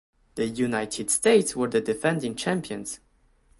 The United States were the defending champions.